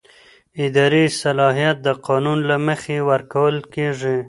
اداري صلاحیت د قانون له مخې ورکول کېږي.